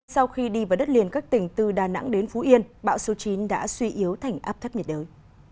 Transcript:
sau khi đi vào đất liền các tỉnh từ đà nẵng đến phú yên bão số chín đã suy yếu thành áp thấp nhiệt đới